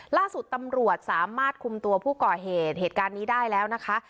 ล่าสุดตำรวจสามารถคุมตัวผู้ก่อเหตุเหตุการณ์นี้ได้แล้วนะคะ